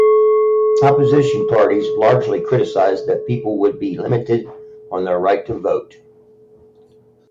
Opposition parties largely criticised that people would be limited on their right to vote.